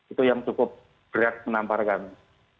itu yang cukup berat menampar kami